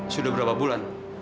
sudah berapa bulan